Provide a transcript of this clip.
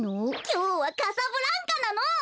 きょうはカサブランカなの！